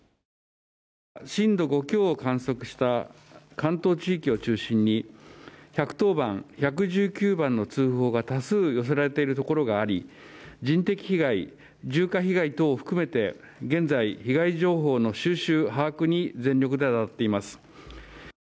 震度５強を観測した関東地域を中心に１１０番１１９番の通報が多数寄せられているところがあり、人的被害住家被害等を含めて現在被害情報の収集把握に全力で当たっています。